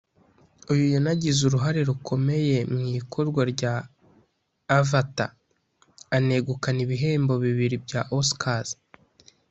uyu yanagize uruhare rukomeye mu ikorwa rya ’Avatar’ anegukana ibihembo bibiri bya Oscars